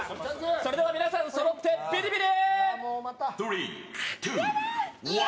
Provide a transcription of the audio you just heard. それでは皆さんそろってビリビリ。